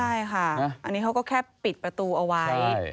ใช่ค่ะอันนี้เขาก็แค่ปิดประตูเอาไว้